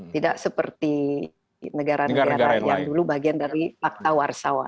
tidak seperti negara negara yang dulu bagian dari fakta warsawa